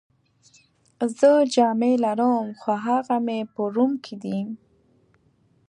زه جامې لرم، خو هغه مې په روم کي دي.